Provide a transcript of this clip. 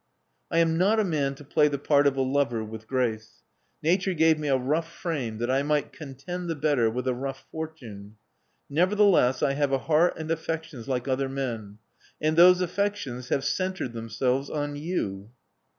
'*I am not a man to play the part of a lover with grace. Nature gave me a rough frame that I might contend the better with a rough fortune. Neverthe less I have a heart and affections like other men ; and those affections have centred themselves on you."